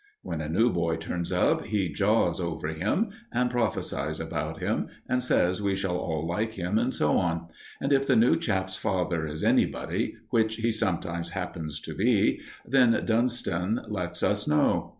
When a new boy turns up, he jaws over him, and prophesies about him, and says we shall all like him, and so on; and if the new chap's father is anybody, which he sometimes happens to be, then Dunston lets us know it.